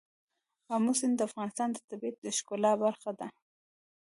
آمو سیند د افغانستان د طبیعت د ښکلا برخه ده.